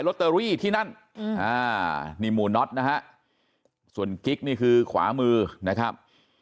ตเตอรี่ที่นั่นนี่หมู่น็อตนะฮะส่วนกิ๊กนี่คือขวามือนะครับ